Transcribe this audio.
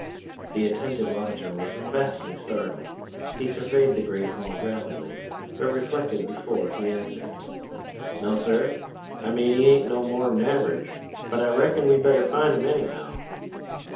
The attentive auditor was vastly startled. He surveyed the great hall rapidly, but reflected before he answered. "No, sir I mean he ain't no more'n average! But I reckon we'd better find him, anyhow."